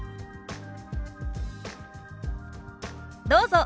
どうぞ。